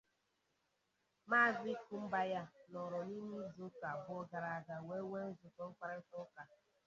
Maazị Kumapayi nọrọ n'ime izuụka abụọ gara aga wee nwee nzukọ mkparịta ụka